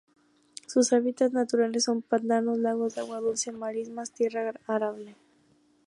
Sus hábitats naturales son pantanos, lagos de agua dulce, marismas, tierra arable.